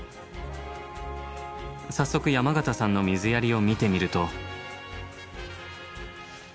早速山方さんの水やりを見てみると。